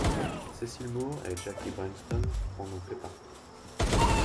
Cecil Moore et Jackie Brenston en ont fait partie.